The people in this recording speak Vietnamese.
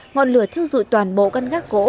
ngọn lửa thiêu dụi toàn bộ căn gác gỗ